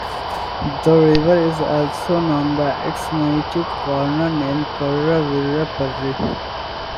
The river is also known by its native Kaurna name "Karra wirra-parri".